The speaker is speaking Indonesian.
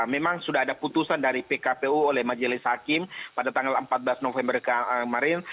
memang sudah ada putusan dari pkpu oleh majelis hakim pada tanggal empat belas november kemarin